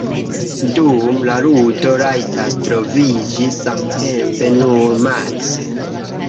Dum la ludo, rajtas troviĝi samtempe nur maks.